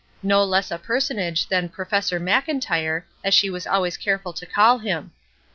No less a personage than "Pro fessor Mclntyre," as she was always careful to call him.